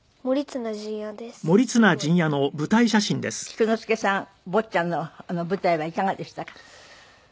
菊之助さん坊ちゃんの舞台はいかがでしたか？